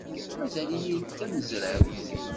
Mazal-iyi d tamezrawt.